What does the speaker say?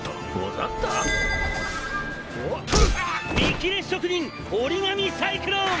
「“見切れ職人”折紙サイクロン！